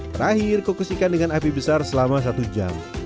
terakhir kukus ikan dengan api besar selama satu jam